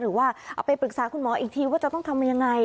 หรือว่าเอาไปปรึกษาคุณหมออีกทีว่าจะต้องทำยังไง